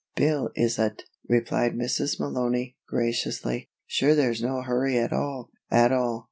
"Bill, is ut?" replied Mrs. Malony, graciously. "Sure there's no hurry at all, at all.